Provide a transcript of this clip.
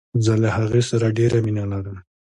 زه له هغې سره ډیره مینه لرم.